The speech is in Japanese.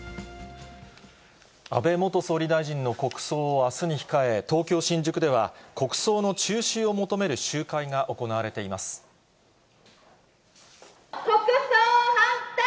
安倍元総理大臣の国葬をあすに控え、東京・新宿では、国葬の中止を求める集会が行われていま国葬反対。